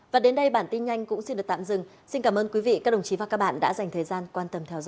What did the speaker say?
và đến đây bản tin nhanh cũng xin được tạm dừng xin cảm ơn quý vị các đồng chí và các bạn đã dành thời gian quan tâm theo dõi